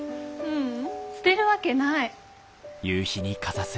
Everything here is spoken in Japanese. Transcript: ううん捨てるわけない。